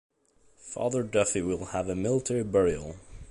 Father Duffy will have a military burial.